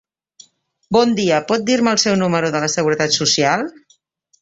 Bon dia, pot dir-me el seu número de la seguretat social?